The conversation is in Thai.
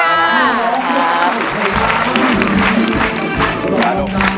ขอบคุณค่ะ